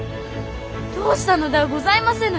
どうしたのではございませぬ。